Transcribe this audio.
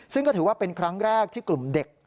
ซึ่งก็ถือว่าเป็นครั้งแรกที่กลุ่มเด็ก